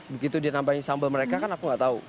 begitu dia nambahin sambal mereka kan aku enggak tahu